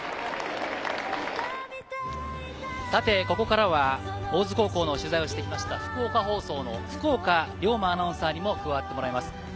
ここからは大津高校の取材をして来ました福岡放送の福岡竜馬アナウンサーにも加わってもらいます。